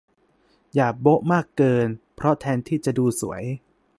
อย่าโบ๊ะมากเกิน เพราะแทนที่จะดูสวย